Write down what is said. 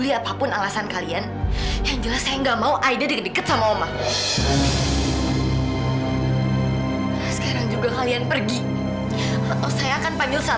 ibu makasih ya aida sering nangis banget